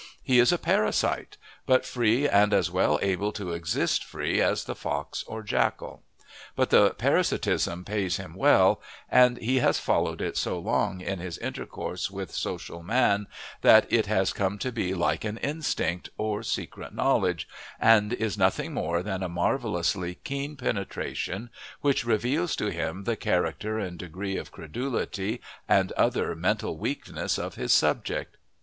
He is a parasite, but free and as well able to exist free as the fox or jackal; but the parasitism pays him well, and he has followed it so long in his intercourse with social man that it has come to be like an instinct, or secret knowledge, and is nothing more than a marvellously keen penetration which reveals to him the character and degree of credulity and other mental weaknesses of his subject.